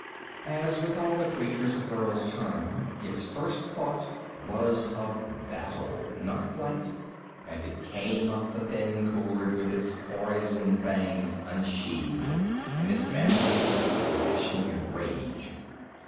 As with all the creatures of Burl's time, its first thought was of battle, not flight, and it came up the thin cord with its poison fangs unsheathed and its mandibles clashing in rage.